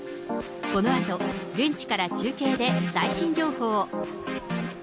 このあと現地から中継で最新情報を。